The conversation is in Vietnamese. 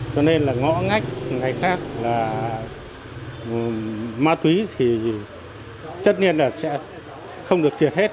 cho nên là ngõ ngách ngày khác là má túy thì chất nhiên là sẽ không được thiệt hết